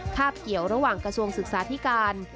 เกี่ยวระหว่างกระทรวงศึกษาธิการ